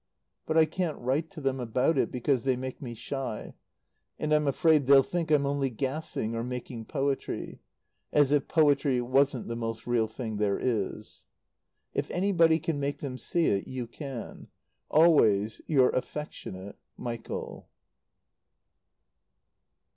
But I can't write to them about it because they make me shy, and I'm afraid they'll think I'm only gassing, or "making poetry" as if poetry wasn't the most real thing there is! If anybody can make them see it, you can. Always your affectionate, MICHAEL.